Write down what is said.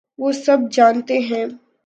وہ سب جانتے ہیں۔